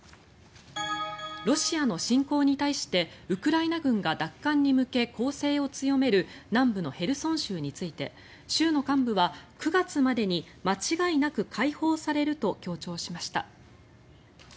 ロシアの侵攻に対してウクライナ軍が奪還に向け攻勢を強める南部のヘルソン州について州の幹部は９月までに間違いなく解放されると強調しました。